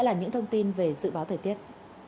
là những thông tin về dự báo thời tiết